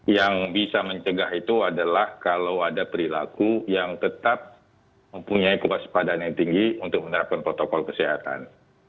yang bisa mencegah itu adalah kalau ada perilaku yang tetap mempunyai kewaspadaan yang tinggi untuk menerapkan protokol kesehatan